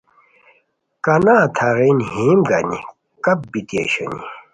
کانان تھاغین ہیم گانی کپ بیتی اوشونی